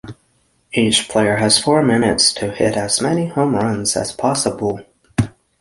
Each player has four minutes to hit as many home runs as possible.